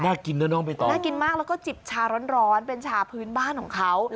กินนะน้องใบตองน่ากินมากแล้วก็จิบชาร้อนเป็นชาพื้นบ้านของเขา